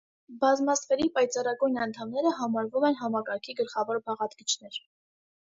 Բազմաստղերի պայծառագույն անդամները համարվում են համակարգի գլխավոր բաղադրիչներ։